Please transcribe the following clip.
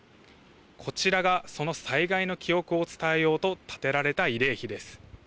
こちらが、その災害の記憶を伝えようと建てられた慰霊碑です。